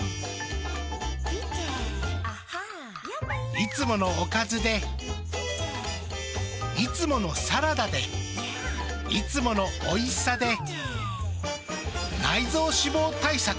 いつものおかずでいつものサラダでいつものおいしさで内臓脂肪対策。